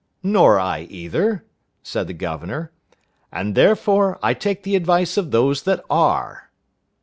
"Nor I either," said the governor, "and therefore I take the advice of those that are!"